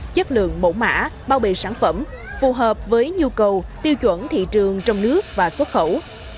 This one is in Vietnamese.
chất lượng mẫu mã bao bì sản phẩm phù hợp với nhu cầu tiêu chuẩn thị trường trong nước và xuất khẩu